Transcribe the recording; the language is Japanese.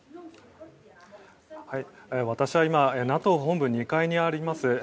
私は今ＮＡＴＯ本部２階にあります